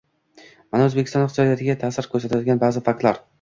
Mana, O'zbekiston iqtisodiyotiga ta'sir ko'rsatadigan ba'zi faktlar: